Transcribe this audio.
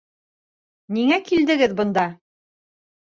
Ниңә килдегеҙ бында?